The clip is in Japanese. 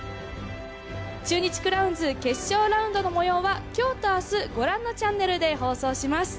中日クラウンズ決勝ラウンドのもようは、きょうとあす、ご覧のチャンネルで放送します。